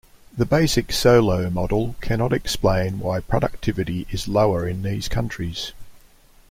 The basic Solow model cannot explain why productivity is lower in these countries.